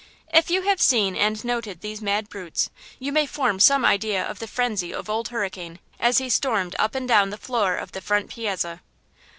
If you have seen and noted these mad brutes, you may form some idea of the frenzy of Old Hurricane as he stormed up and down the floor of the front piazza.